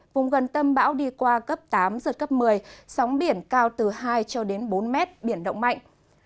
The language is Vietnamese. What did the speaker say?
vùng gần tâm bão đi qua cấp tám giật cấp một mươi sóng biển cao từ hai cho đến bốn mét biển động mạnh